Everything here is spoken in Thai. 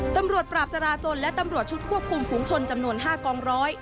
ตำรวจปราบจราจนและตำรวจชุดควบคุมฝูงชนจำนวน๕กองร้อย